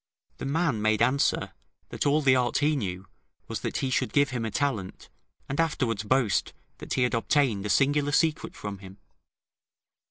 The man made answer, that all the art he knew, was, that he should give him a talent, and afterwards boast that he had obtained a singular secret from him.